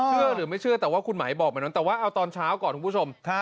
ถ้าคุณไม่เชื่อบอกให้หมายนอนแต่ว่าเอาตอนเช้าก่อนคุณหม่ะ